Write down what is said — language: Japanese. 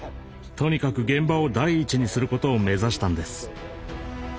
とにかく現場を第一にすることを目指したんです。